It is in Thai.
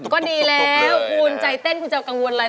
ก็ดีแล้วคุณใจเต้นคุณจะกังวลอะไร